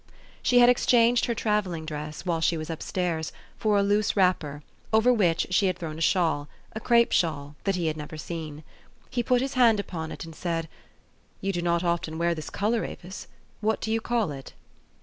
She had exchanged her travelling dress, while she was up stairs, for a loose wrapper, over which she had thrown a shawl a crape shawl that he had never seen. He put his hand upon it, and said, " You do not often wear this color, Avis. What do you call it?"